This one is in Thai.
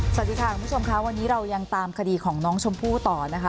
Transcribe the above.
สวัสดีค่ะคุณผู้ชมค่ะวันนี้เรายังตามคดีของน้องชมพู่ต่อนะคะ